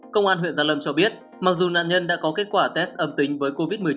công an huyện gia lâm cho biết mặc dù nạn nhân đã có kết quả test âm tính với covid một mươi chín